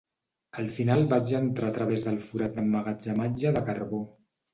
Al final vaig entrar a través del forat d'emmagatzematge de carbó.